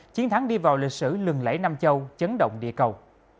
chiến thắng đi vào lịch sử lừng lẫy nam châu chấn động địa cầu